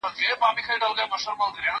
زه له سهاره مړۍ خورم!.